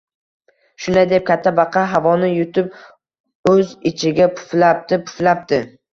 Shunday deb katta Baqa havoni yutib o‘z ichiga puflabdi, puflabdi